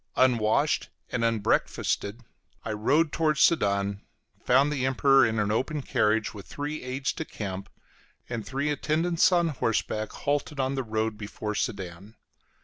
Unwashed and unbreakfasted, I rode towards Sedan, found the Emperor in an open carriage, with three aides de camp and three in attendance on horseback, halted on the road before Sedan.